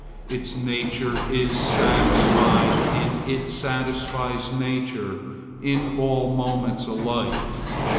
Its nature is satisfied and it satisfies nature in all moments alike.